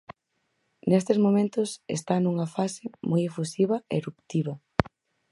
Nestes momentos está nunha fase moi efusiva e eruptiva.